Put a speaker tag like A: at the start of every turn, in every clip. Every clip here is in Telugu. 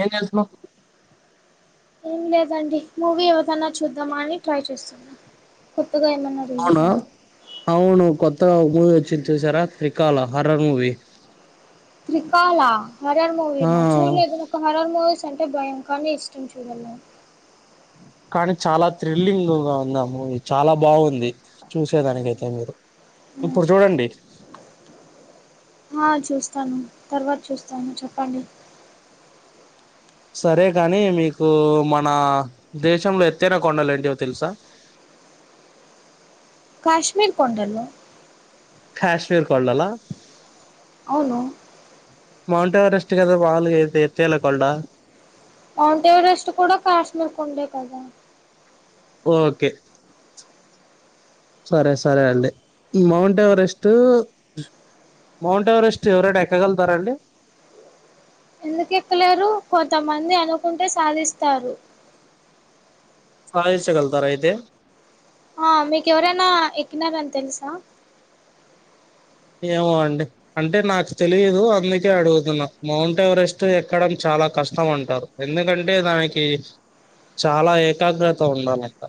A: ఏం చేస్తున్నావ్
B: ఏం లేదండి మూవీ ఏదైన్నా చూద్దామా అని ట్రై చేస్తున్నా కొత్తగా ఏమన్నా రిలీజ్
A: అవునా
B: అయింది
A: అవును కొత్త మూవీ వచ్చింది చూసారా Trikala horror movie
B: Trikala horror
A: ఆ
B: మూవీనా చూలేదు హరర్ మూవీస్ అంటే భయం కానీ ఇష్టం చూడడం
A: కానీ చాలా థ్రిల్లింగ్ గా ఉంది ఆ మూవీ చాలా బాగుంది చూసేదానికయితే మీరు ఇప్పుడు చూడండి
B: ఆ చూస్తాను తర్వాత చూస్తాను చెప్పండి
A: సరే గాని మీకు మన దేశంలో ఎత్తైన కొండలు ఏంటివో తెలుసా
B: కాశ్మీర్ కొండలు
A: కాశ్మీర్ కొండలా
B: అవును
A: మౌంట్ ఎవరెస్ట్ కదా వాల్ ఎ ఎత్తైన కొండ
B: మౌంట్ ఎవరెస్ట్ కూడా కాశ్మీర్ కొండే కదా
A: ఓకే సరే సరేండి మౌంట్ ఎవరెస్ట్ మౌంట్ ఎవరెస్ట్ ఎవరైనా ఎక్కగలుగుతారండి
B: ఎందుకు ఎక్కలేరు కొంతమంది అనుకుంటే సాధిస్తారు
A: సాధించగలుతార అయితే
B: ఆ మీకు ఎవరైనా ఎక్కుతారని తెలుసా
A: ఏమో అండి అంటే నాకు తెలిదు అందుకే అడుగుతున్న మౌంట్ ఎవరెస్ట్ ఎక్కడం చాలా కష్టం అంటారు ఎందుకంటే దానికి చాలా ఏకాగ్రత ఉండాలంట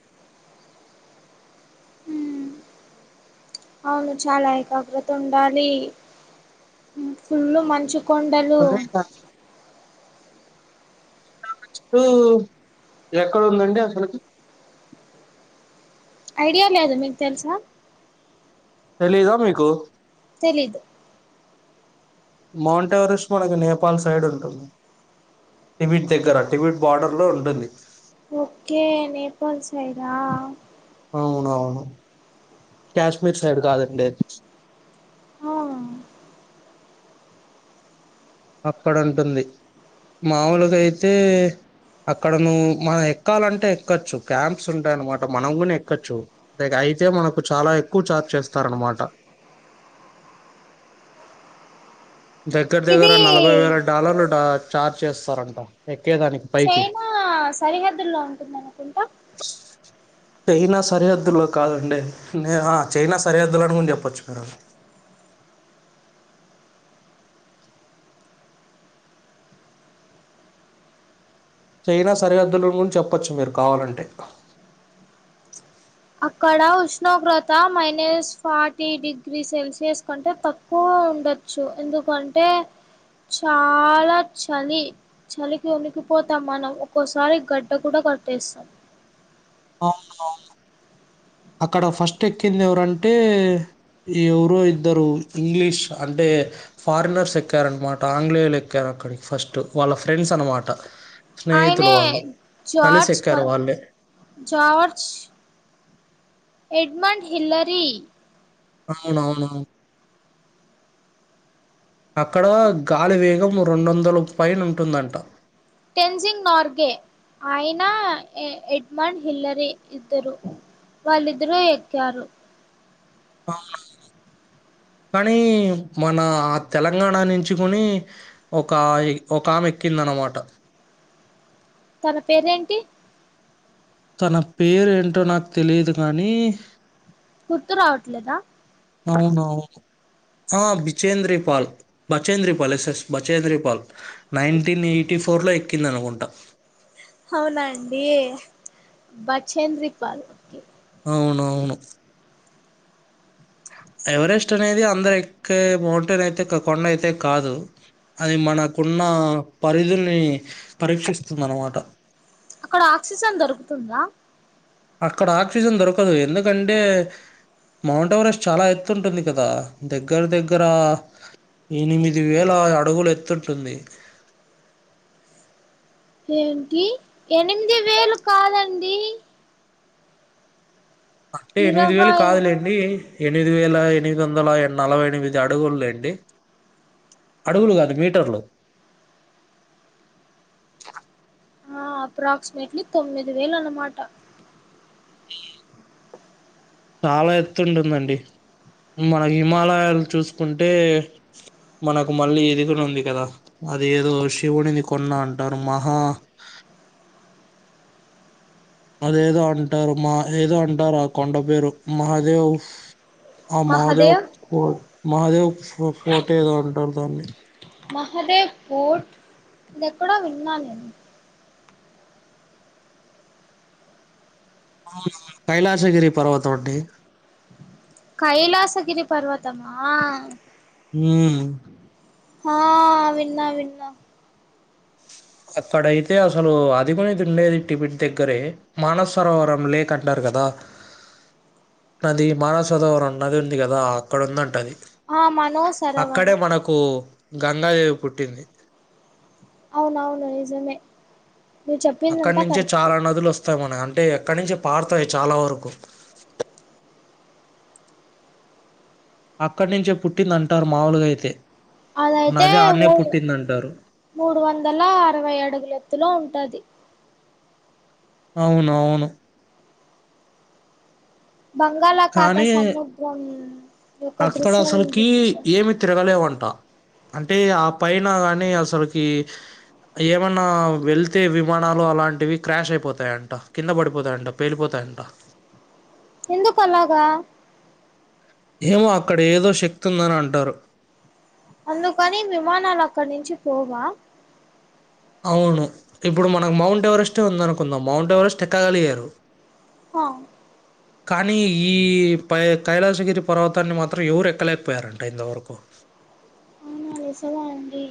B: అవును చాలా ఏకాగ్రత ఉండాలి ఫుల్ మంచు కొండలు
A: లొల్లి అయితాంది చుట్టూ ఎక్కడుదండి అసలీకి
B: ఐడియా లేదు మీకు తెలుసా
A: తెలిదా మీకు
B: తెలీదు
A: మౌంట్ ఎవరెస్ట్ మనకి నేపాల్ సైడ్ ఉంటుంది టిబిట్ దగ్గర టిబిట్ బార్డర్ లో ఉంటుంది
B: ఓకే నేపాల్ సైడా
A: అవునవును కాశ్మీర్ సైడ్ కాదండి అది
B: అవును
A: అక్కడ ఉంటుంది మాములుగా అయితే అక్కడ ను మన ఎక్కాలంటే ఎక్కొచ్చు క్యాంప్స్ ఉంటాయ అనమాట మనం కూడా ఎక్కోచ్చు తే అయితే మనకు చాలా ఎక్కువ ఛార్జ్ చేస్తార అనమాట దగ్గర దగ్గర
B: ఇది
A: నలభై వేల డాలర్లు డా చార్జ్ చేస్తారంట ఎక్కేదానికి పైకి
B: చైనా సరిహద్దుల్లో ఉంటుంది అనుకుంటా
A: చైనా సరిహద్దులో కాదండి నే ఆ చైనా సరిహద్దులని కూడా చెప్పొచ్చు మీరు చైనా సరిహద్దుల గురించి చెప్పచ్చు మీరు కావాలంటే
B: అక్కడ ఉష్ణోగ్రత మైనస్ ఫార్టీ డిగ్రీ సెల్సియస్ కంటే త క్కువ ఉండొచ్చు ఎందుకంటే చాలా చలి చలికి వణికిపోతాం మనం ఒక్కోసారి గడ్డ కూడా కట్టేస్తాం
A: అవును అవును అక్కడ ఫస్ట్ ఎక్కింది ఎవరంటే ఎవరు ఇద్దరు ఇంగ్లీష్ అంటే ఫారినర్స్ ఎక్కారన్నమాట ఆంగ్లేయులు ఎక్కారు అక్కడికి ఫస్ట్ వాళ్ళ ఫ్రెండ్స్ అనమాట స్నేహితులు
B: ఆయనే
A: వాళ్ళు కలిసి
B: జార్జ్ కా
A: ఎక్కారు వాళ్ళే
B: జార్జ్ ఎడ్మడ్ హిల్లరి
A: అవునవును అక్కడ గాలి వేగం రెండు వందలకు పైన ఉంటుందంట
B: టెన్జింగ్ నార్గే ఆయన ఎడమండ్ హిల్లరి ఇద్దరు వాళ్ళిద్దరూ ఎక్కారు
A: అవునవును కానీ మన ఆ తెలంగాణ నుంచి కొని ఒక ఒక ఆమె ఎక్కిందనమాట
B: తన పేరేంటి
A: తన పేరు ఏంటో నాకు తెలియదు కానీ
B: గుర్తు రావట్లేదా
A: అవునవును ఆ Bachendri Pal Bachendri Pal yes yes Bachendri Pal nineteen eighty four లో ఎక్కిందనుకుంటా
B: అవునా అండి బచేంద్రి పాల్
A: అవునవును ఎవరెస్ట్ అనేది అందరు ఎక్కే మౌంటైన్ అయితే కొండ అయితే కాదు అది మనకున్న పరిధిని పరీక్షిస్తుంది అన్నమాట
B: అక్కడ ఆక్సిజన్ దొరుకుతుందా
A: అక్కడ ఆక్సిజన్ దొరకదు ఎందుకంటే మౌంట్ ఎవరెస్ట్ చాలా ఎత్తుంటుంది కదా దగ్గర దగ్గర ఎనిమిది వేల అడుగులు ఎత్తుంటుంది
B: ఏంటి ఎనిమిది
A: హ
B: వేలు కాదండి
A: అంటే ఎనిమిది వేలు
B: ఇరవై
A: కాదులేండి ఎనిమిది వేల ఎనిమిది వందల నలభై ఎనిమిది అడుగులెండి అడుగులు కాదు మీటర్లు
B: ఆ అప్రాక్సిమేట్లీ తొమ్మిది వేలు అన్నమాట
A: చాలా ఎత్తుంటుందండి మన హిమాలయాలు చూసుకుంటే మనకు మళ్ళీ ఇది కూడా ఉంది కదా అది ఏదో శివుడిని కొన్నా అంటారు మహా అదేదో అంటారు మా ఏదో అంటారు ఆ కొండ పేరు మహాదేవ్ ఆ మహాదేవ్ పో మహాదేవ్ ఫోటో ఏదో అంటారు దాన్ని
B: మహదేవ్ ఫూర్ ఇది ఎక్కడో విన్నా నేను
A: కైలాసగిరి పర్వతం అండి
B: కైలాసగిరి పర్వతమా
A: ఉమ్
B: ఆ విన్నా విన్నా
A: అప్పుడైతే అసలూ అదికునేది ఉండేది టిఫిట్ దగ్గరే. మానస్సరోవరం లేక్ అంటారు గదా. నది మానసదోవరం నది ఉంది గదా అక్కడ ఉందంట అది.
B: ఆ మనో
A: అక్కడే
B: సరవరం
A: మనకూ గంగాదేవి పుట్టింది.
B: అవునవును నిజమే నువ్వు చెప్పిందంతా
A: అక్కనించే
B: కరెక్టే
A: చాలా నదులు ఒస్తాయి మనదంటే ఎక్కించి పార్తాయి చాలా వరకు. అక్కనించే పుట్టింది అంటారు మావుల్గాయితే.
B: అదైతే
A: నది అన్నే
B: మూడు
A: పుట్టిందంటారు.
B: మూడు వందలా అరవై అడుగులెత్తులో ఉంటది.
A: అవునువును.
B: బంగాళాఖాత
A: కానీ
B: సముద్రం యొక్క
A: అక్కడ
B: దృశ్యాలను
A: అసల్కీ
B: చూపిస్తది
A: ఏమి. తిరగలేవంట అంటే ఆ పైన అనీ అసల్కీ ఏవన్నా వెళ్తే విమానాలు అలాంటివి క్రాష్ అయిపోతాయంట కింద పడిపోతాయంట. పేలిపోతాయంట.
B: ఎందుకు అలాగా
A: ఏమో అక్కడ ఏదో శక్తి ఉందని అంటారు
B: అందుకని విమానాలు అక్కనించి పోవా
A: అవును ఇప్పుడు మనక్ మౌంట్ ఎవరెస్టే ఉందనుకుందాం మౌంట్ ఎవరెస్ట్ ఎక్కగలిగారు.
B: హ
A: కానీ ఈ పై కైలాసగిరి పర్వతాన్ని మాత్రం ఎవ్రు ఎక్కలేకపోయారంట ఇంతవర్కు
B: అవునా నిజవ అండి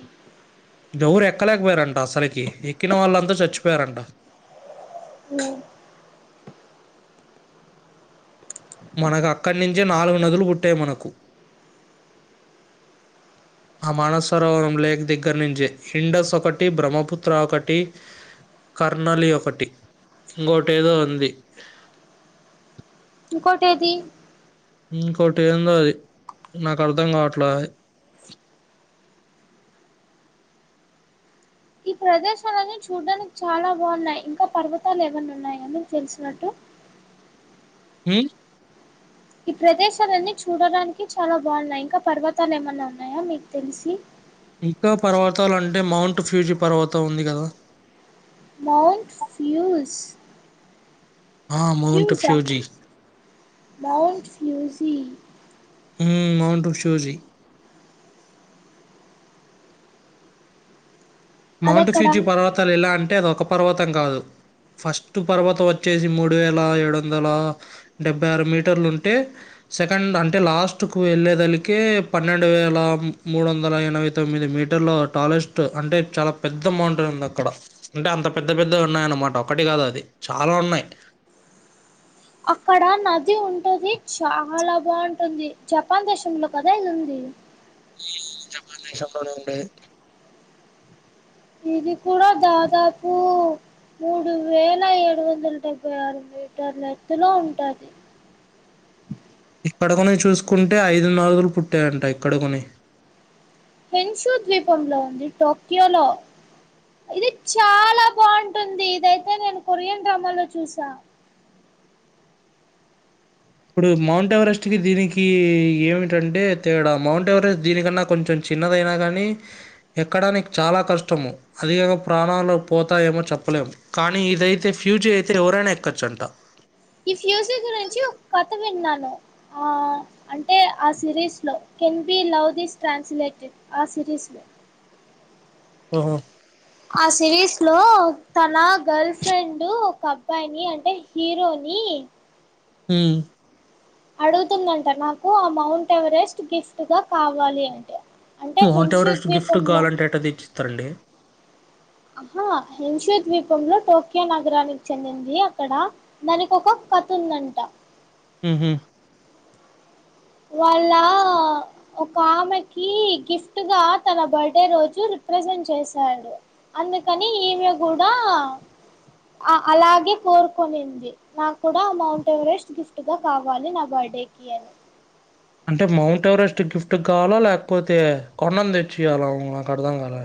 A: ఎవ్రు ఎక్కలేకపోయారంట అసల్కి ఎక్కిన వాళ్ళంతా సచ్చిపోయారంట
B: ఉ
A: మనక్ అక్కనించే నాలుగు నదులు పుట్టాయి మనకు ఆ మానస్ సరోవరం లేక్ దెగ్గర్నించి ఇండస్ ఒకటి బ్రహ్మపుత్ర ఒకటి కర్నలి ఒకటి ఇంగోటి ఏదో ఉంది
B: ఇంకోటేది
A: ఇంకోటి ఏందో అది నాకు అర్థం కావట్లా అది
B: ఈ ప్రదేశాలన్నీ చూడ్డానికి చాలా బావున్నాయి ఇంకా పర్వతాలు ఏవన్న ఉన్నాయ నీకు తెలిసినట్టు
A: ఉమ్
B: ఈ ప్రదేశాలన్నీ చూడడానికి చాలా బావున్నాయి ఇంకా పర్వతాలు ఏమన్న ఉన్నాయా మీకు తెలిసి
A: ఇంకా పర్వతల్ అంటే మౌంట్ ఫ్యూజి పర్వతం ఉంది గదా
B: మౌంట్ ఫ్యూస్
A: ఆ మౌంట్
B: ఫ్యూస్ ఆ
A: Fuji
B: mount Fuji
A: um mount Fuji mount
B: అదెక్కడ
A: ఫ్యూజి పర్వతాలు ఎలా అంటే అది ఒక పర్వతం కాదు ఫస్ట్ పర్వతం వచ్చేసి మూడు వేల ఏడు వందల డెబ్బై ఆరు మీటర్లు ఉంటే సెకండ్ అంటే లాస్ట్కు వెళ్ళేదనీకే పన్నెండు వేల మూడు వందల ఎనభై తొమ్మిది మీటర్ల టాలెస్ట్ అంటే చాలా పెద్ద మౌంటన్ ఉంది అక్కడ అంటే అంత పెద్ద పెద్ద ఉన్నాయి అన్మాట ఒకటి కాదు అది చాలా ఉన్నాయి.
B: అక్కడ నది ఉంటది చాలా బావుంటుంది. జపాన్ దేశంలో కదా ఇది ఉంది.
A: మన దేశంలోనే ఉండే
B: ఇది కూడా దాదాపు మూడు వేల ఏడు వందల డెబ్బై ఆరు మీటర్ల ఎత్తులో ఉంటాది.
A: ఇక్కడకని చూసుకుంటే ఐదు నాలుగులు పుట్టాయంట ఇక్కడకని
B: పేన్షూ ద్వీపంలో ఉంది టోక్యో లో ఇది చాలా బావుటుంది. ఇదైతే నేను కొరియన్ డ్రామా లో చూసా.
A: ఇప్పుడు మౌంట్ ఎవరెస్ట్ కి దీనికి ఏమిటంటే తేడా మౌంట్ ఎవరెస్ట్ దీనికన్నా కొంచెం చిన్నదైనా గానీ ఎక్కడానికి చాలా కష్టము. అధిగగా ప్రాణాలు పోతాయమో చెప్పలేము, కానీ ఇదైతే ఫ్యూచర్ అయితే ఎవరైనా ఎక్కొచ్చంట.
B: ఈ ఫ్యూజక్ గురించి నుంచి కథ విన్నాను. ఆ అంటే ఆ సిరీస్ లో can be love this translated ఆ సిరిస్లో
A: ఓహో
B: ఆ సిరీస్ లో తన గర్ల్ ఫ్రెండ్ ఒక అబ్బాయిని అంటే హిరోని
A: ఉహ్
B: అడుగుతుందంట నాకు ఆ మౌంట్ ఎవరెస్ట్ గిఫ్ట్ గా కావాలి అంటే అంటే
A: మోహం
B: హెన్షూ
A: ఎవరెస్ట్ గిఫ్ట్
B: ద్వీపంలో
A: గావాలంటే ఏటా దేచిస్తార్ అండి.
B: ఆహా హింషుత్ ద్వీపంలో టోక్యో నగరానికి చెందింది అక్కడ దానికి ఒక కథ ఉందంటా
A: ఉహుహ్
B: వాళ్ళ ఒక ఆమెకి గిఫ్ట్ గా తన బర్త్డే రోజు రిప్రజెంట్ చేసాడు. అందుకని ఇవే గూడా ఆ అలాగే కోరుకునింది. నాకు కూడా మౌంట్ ఎవరెస్ట్ గిఫ్ట్ గా కావాలి నా బర్త్డే కి అని.
A: అంటే మౌంట్ ఎవరెస్ట్ గిఫ్ట్ గవాలా లేకపోతే కొండన్ దెచ్చియాలా ఉహ్ నాకు అర్థం గాలే.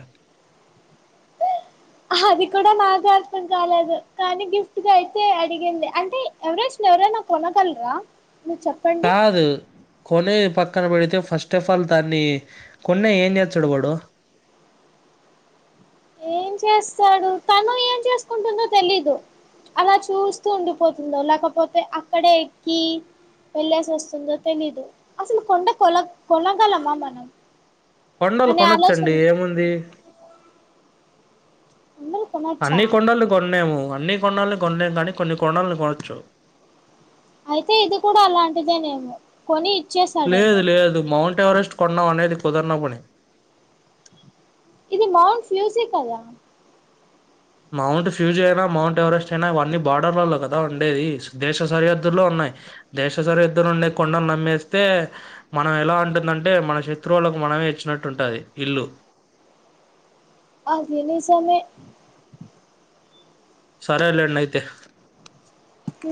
B: ఆహా అది కూడా నాకు అర్థం కాలేదు కానీ గిఫ్ట్గా అయితే అడిగింది అంటే ఎవరెస్ట్న్ ఎవరేనా కొనగలరా నువ్ చెప్ప
A: తాదు కొనేది పక్కన పెడితే ఫాస్టఫాల్ దాన్ని కొనే ఏం జేచ్చడు వాడు.
B: ఏం చేస్తాడు తను ఏం చేసుకుంటుందో తెలీదు అలా చూస్తూ ఉండిపోతుందో లేకపోతే అక్కడే ఎక్కి వెళ్ళేసి వస్తుందో తెలీదు అసలు కొండ కొల కొనగలమా మనం.
A: కొండలు
B: అనే
A: కొనొచ్చండి
B: ఆలోచన
A: ఏముంది.
B: అందరూ కొనొచ్చా
A: అన్ని కొండలు కొన్నేము అన్ని కొనాల్ని కొనలేము కానీ కొన్ని కొనాల్ని కొనచ్చు.
B: అయితే ఇది కూడా అలాంటిదేనేమో కొని ఇచ్చేస్
A: లేదు లేదు మౌంట్ ఎవరెస్ట్ కొన్నాం అనేది కుదరన పని
B: ఇది మౌంట్ ఫ్యూజి కదా
A: మౌంట్ ఫ్యూజ్ అయినా, మౌంట్ ఎవరెస్ట్ అయినా ఇవన్నీ బార్డర్లలో కదా ఉండేది, దేశ సరిహద్దులో ఉన్నాయ్. దేశ సరియద్దు నుండే కొండన్ నమ్మేస్తే మనం ఎలా ఉంటుందంటే మన శత్రువులకు మనమే ఇచ్చినట్టు ఉంటది ఇల్లు.
B: అది నిజమే.
A: సరేలేండి అయితే
B: ఉ